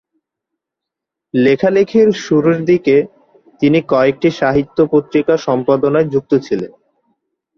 লেখালেখির শুরুর দিকে তিনি কয়েকটি সাহিত্য পত্রিকা সম্পাদনায় যুক্ত ছিলেন।